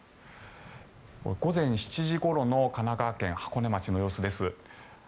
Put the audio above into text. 午前７時ごろの神奈川県箱根町の様子です。